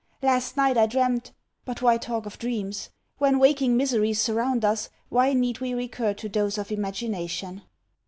Last night I dreamt but why talk of dreams? When waking miseries surround us, why need we recur to those of imagination!